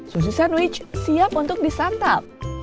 susu sandwich siap untuk disantap